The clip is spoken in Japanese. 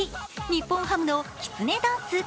日本ハムのきつねダンス。